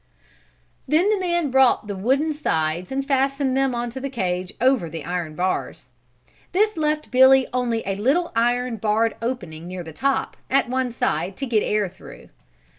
Then the man brought wooden sides and fastened them onto the cage over the iron bars. This left Billy only a little iron barred opening near the top, at one side, to get air through.